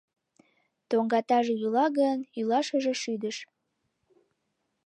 Тоҥгатаже йӱла гын, йӱлашыже шӱдыш.